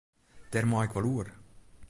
Dêr mei ik wol oer.